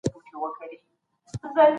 تاسو به هيڅکله باطل ته سر ټيټ نه کړئ.